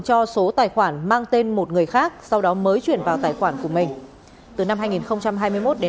cho số tài khoản mang tên một người khác sau đó mới chuyển vào tài khoản của mình từ năm hai nghìn hai mươi một đến